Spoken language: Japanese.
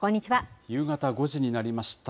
夕方５時になりました。